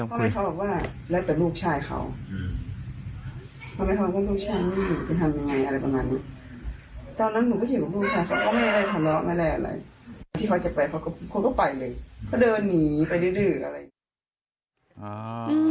เขาเดินหนีไปเรื่อยอะไร